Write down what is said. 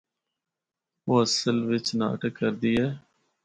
او اصل وچ ناٹک کردی اے۔